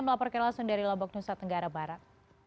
melaporkan langsung dari lombok nusa tenggara barat